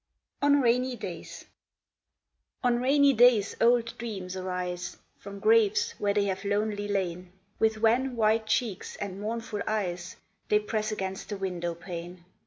ON RAINY DAYS On rainy days old dreams arise, From graves where they have lonely lain; With wan white cheeks and mournful eyes, They press against the window pane.